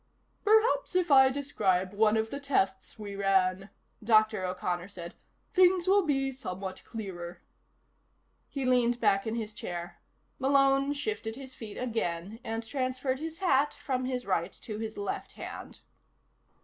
"Perhaps if I describe one of the tests we ran," Dr. O'Connor said, "things will be somewhat clearer." He leaned back in his chair. Malone shifted his feet again and transferred his hat from his right to his left hand.